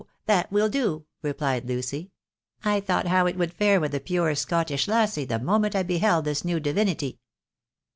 . That will do," replied Lucy. " I thought how it would fare with the puir Scottish lassie the moment I beheld this new divinity."